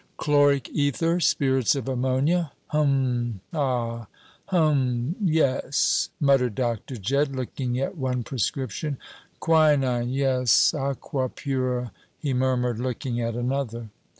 "Chloric æther, spirits of ammonia hum, ha, hum yes," muttered Dr. Jedd, looking at one prescription. "Quinine, yes; aqua pura," he murmured, looking at another.